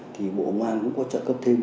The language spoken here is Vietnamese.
thì bộ công an cũng có trợ cấp thêm